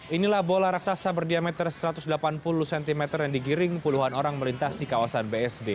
inilah bola raksasa berdiameter satu ratus delapan puluh cm yang digiring puluhan orang melintasi kawasan bsd